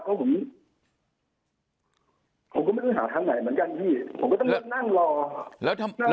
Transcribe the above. ก็ผมผมก็ไม่ต้องหาทางไหนเหมือนกันพี่ผมก็ต้องนั่งรอ